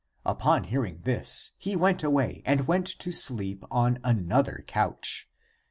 Upon hearing this he went away and went to sleep on another couch.